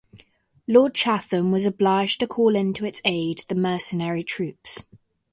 Lord Chatham was obliged to call in to its aid the mercenary troops.